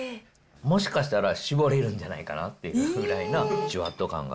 もしかしたら絞れるんじゃないかなっていうぐらいなじゅわっと感が。